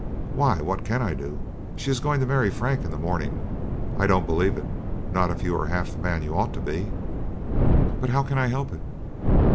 "Why, what can I do? She is going to marry Frank in the morning." "I don't believe it: not if you are half the man you ought to be." "But how can I help it?"